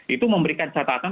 itu memberikan catatan